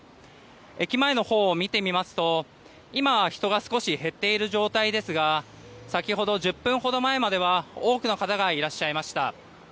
駅前のほうを見てみますと、今は人が少し減っている状態ですが先ほど１０分ほど前までは多くの方がいらっしゃいました。